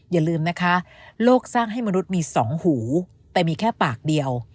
อย่าลืมนะคะโลกสร้างให้มนุษย์มีสองหูแต่มีแค่ปากเดียว